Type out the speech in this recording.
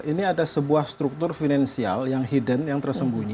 ini ada sebuah struktur finansial yang hidden yang tersembunyi